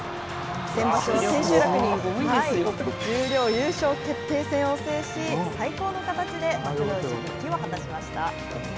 先場所は千秋楽に十両優勝決定戦を制し最高の形で幕内復帰を果たしました。